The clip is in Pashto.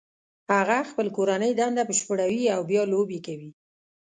هغه خپل کورنۍ دنده بشپړوي او بیا لوبې کوي